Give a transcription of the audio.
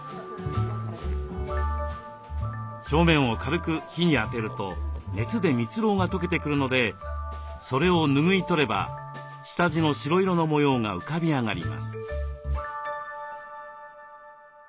表面を軽く火にあてると熱で蜜ろうが溶けてくるのでそれを拭い取れば下地の白色の模様が浮かび上がります。